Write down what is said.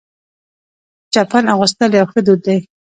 چپن اغوستل یو ښه دود دی.